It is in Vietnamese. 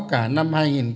cả năm hai nghìn hai mươi